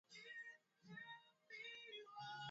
Tanganika inatoshaka mikebuka mingi sana